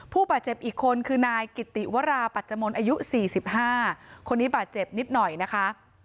ผู้บาดเจ็บอีกคนคือนายกิติวราปัจจมนต์อายุ๔๕คนนี้บาดเจ็บนิดหน่อยนะคะ